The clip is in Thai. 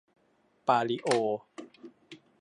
ปาลิโอ